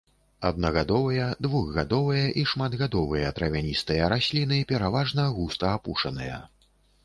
Аднагадовыя, двухгадовыя і шматгадовыя травяністыя расліны, пераважна густа апушаныя.